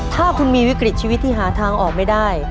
ถ้าคุณมีวิกฤตชีวิตที่หาทางออกไม่ได้